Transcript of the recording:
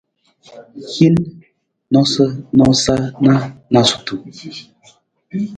Hin noosanoosa na noosutu.